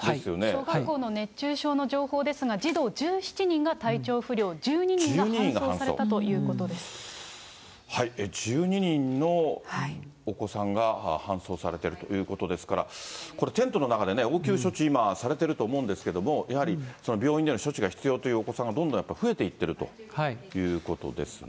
小学校の熱中症の情報ですが、児童１７人が体調不良、１２人が１２人のお子さんが搬送されてるということですから、これ、テントの中でね、応急処置、今、されていると思うんですけれども、やはり病院での処置が必要というお子さんがどんどん増えていってるということですね。